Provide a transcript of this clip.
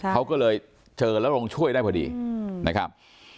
เขาก็เลยเจอแล้วลงช่วยได้พอดีนะครับ